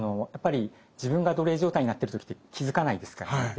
やっぱり自分が奴隷状態になってる時って気付かないですからね。